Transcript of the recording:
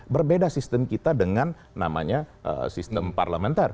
berbeda sistem kita dengan namanya sistem parlementer